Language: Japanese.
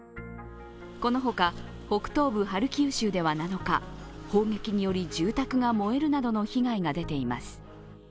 このほか北東部ハルキウ州では７日砲撃により住宅が燃えるなどの被害が出ています。